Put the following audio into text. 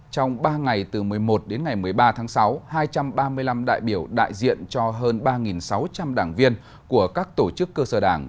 trong ba ngày từ một mươi một đến ngày một mươi ba tháng sáu hai trăm ba mươi năm đại biểu đại diện cho hơn ba sáu trăm linh đảng viên của các tổ chức cơ sở đảng